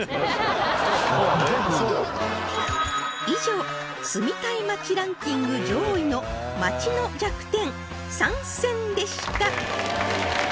以上住みたい街ランキング上位の街の弱点３選でした